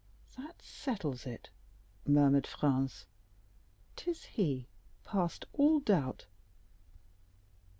"That settles it," murmured Franz. "'Tis he, past all doubt."